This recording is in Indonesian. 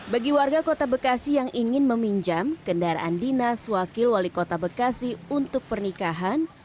bagi warga kota bekasi yang ingin meminjam kendaraan dinas wakil wali kota bekasi untuk pernikahan